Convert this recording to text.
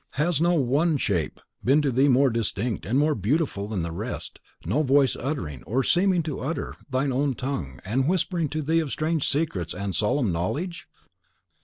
Has no ONE shape been to thee more distinct and more beautiful than the rest, no voice uttering, or seeming to utter, thine own tongue, and whispering to thee of strange secrets and solemn knowledge?"